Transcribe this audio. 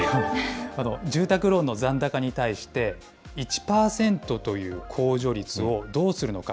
住宅ローンの残高に対して、１％という控除率をどうするのか。